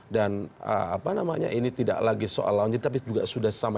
dan ini tidak lagi soal lawan tapi juga sudah sama